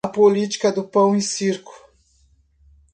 A política do pão e circo